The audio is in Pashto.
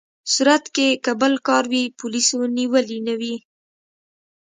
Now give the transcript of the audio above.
صورت کې که بل کار وي، پولیسو نیولي نه وي.